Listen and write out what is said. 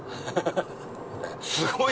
すごい。